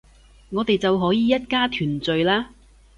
我哋就可以一家團聚喇